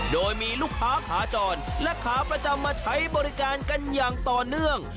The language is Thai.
โดยมีลูกค้าขาจรและขาประจำมาใช้บริการกันอย่างต่อเนื่อง